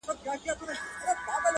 د سترگو توره سـتــا بـلا واخلـمـه!